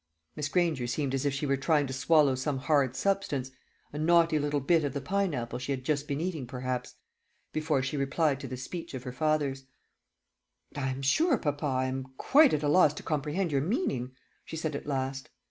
Miss Granger seemed as if she were trying to swallow some hard substance a knotty little bit of the pineapple she had just been eating, perhaps before she replied to this speech of her father's. "I am sure, papa, I am quite at a loss to comprehend your meaning," she said at last.